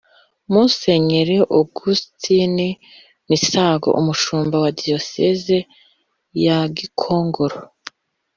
Musenyeri Agusitini Misago umushumba wa Diyosezi ya Gikongoro